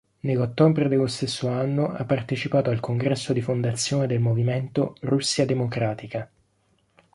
Nell'ottobre dello stesso anno ha partecipato al congresso di fondazione del movimento "Russia Democratica".